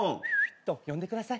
と呼んでください。